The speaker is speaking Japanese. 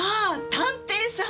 探偵さん。